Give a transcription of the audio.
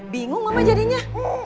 bingung mama jadinya